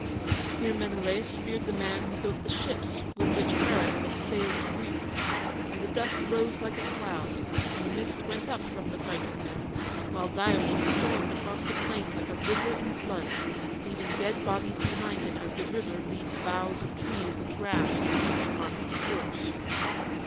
Here Menelaus speared the man who built the ships with which Paris had sailed to Greece; and the dust rose like a cloud, and a mist went up from the fighting men, while Diomede stormed across the plain like a river in flood, leaving dead bodies behind him as the river leaves boughs of trees and grass to mark its course.